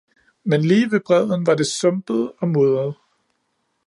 men lige ved bredden var det sumpet og mudret.